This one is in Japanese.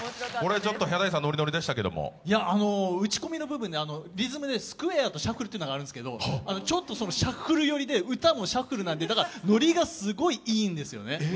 打ち込みの部分、リズムでスクエアとシャッフルってあるんですけど、ちょっとシャッフル寄りで歌もシャッフル、だから、ノリがすごい、いいんですよね。